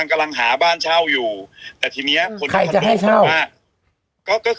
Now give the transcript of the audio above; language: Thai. เงินจำชอบว่าพี่หนุ่ม